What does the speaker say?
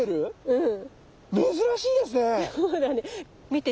うん。